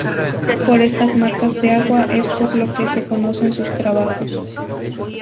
Por estas marcas de agua es por lo que se conocen sus trabajos.